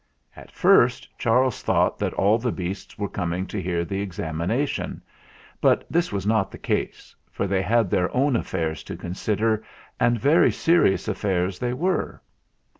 At first Charles thought that all the beasts were coming to hear the examina tion; but this was not the case, for they had their own affairs to consider, and very serious affairs they were.